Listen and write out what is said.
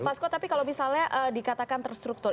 vasco tapi kalau misalnya dikatakan terstruktur